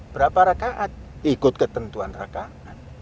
berapa rakaat ikut ketentuan rakaat